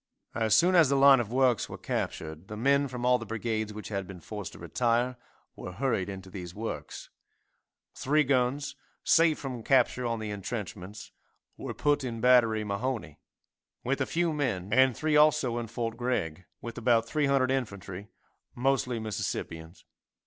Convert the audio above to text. As soon as the line of works were captured the men from all the brigades which had been forced to retire were hurried into these works. Three guns, saved from capture on the entrenchments, were put in battery Mahone, with a few men, and three also in fort Gregg, with about 300 infantry, mostly Mississippians.